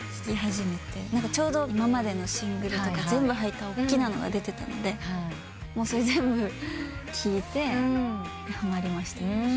ちょうど今までのシングルとか全部入った大きなのが出てたのでそれ全部聴いてはまりました。